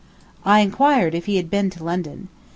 I inquired if he had been to London.